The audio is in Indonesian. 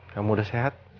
kamu udah sehat